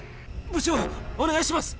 部長お願いします。